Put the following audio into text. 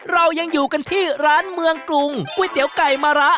เรายังอยู่กันที่ร้านเมืองกรุงก๋วยเตี๋ยวไก่มะระ